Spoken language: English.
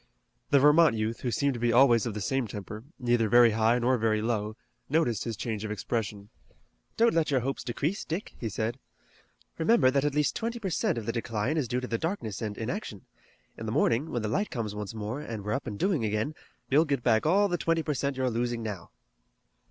The Vermont youth, who seemed to be always of the same temper, neither very high nor very low, noticed his change of expression. "Don't let your hopes decrease, Dick," he said. "Remember that at least twenty per cent of the decline is due to the darkness and inaction. In the morning, when the light comes once more, and we're up and doing again, you'll get back all the twenty per cent you're losing now."